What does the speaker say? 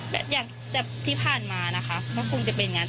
แบบที่ผ่านมานะคะมันคงจะเป็นงั้น